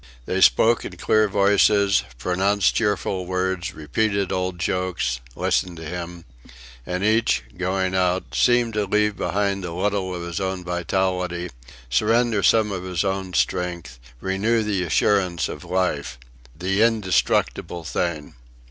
They spoke in clear voices, pronounced cheerful words, repeated old jokes, listened to him; and each, going out, seemed to leave behind a little of his own vitality, surrender some of his own strength, renew the assurance of life the indestructible thing!